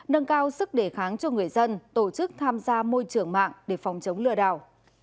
nâng cao sức đề kháng cho người dân tổ chức tham gia môi trường mạng để phòng chống lừa đảo